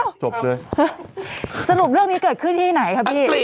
อ้าวจบเลยสรุปเรื่องนี้เกิดขึ้นที่ไหนครับพี่อังกฤษ